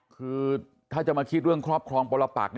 คือถ้าจะมาคิดเรื่องครอบครองปรปัก